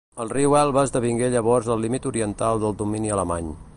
El riu Elba esdevingué llavors el límit oriental del domini alemany.